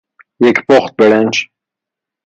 یک پخت برنج